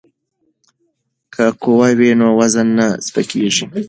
که قوه وي نو وزن نه سپکیږي.